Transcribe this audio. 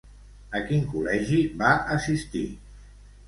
A quin col·legi va assistir?